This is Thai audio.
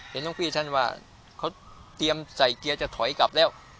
น้องพี่ท่านว่าเขาเตรียมใส่เกียร์จะถอยกลับแล้ว